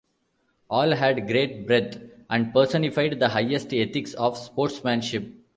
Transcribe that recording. All had great breadth and personified the highest ethics of sportsmanship.